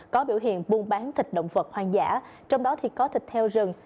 có biểu hiện buôn bán thịt động vật hoang dã trong đó thì có thịt heo rừng